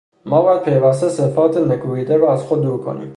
ما باید پیوسته صفات نکوهیده را از خود دور کنیم!